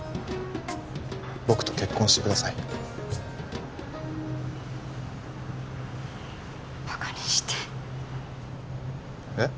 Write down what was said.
僕と結婚してくださいバカにしてえっ？